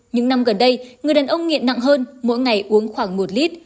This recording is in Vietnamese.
những năm gần đây người đàn ông nghiện nặng hơn mỗi ngày uống khoảng một lít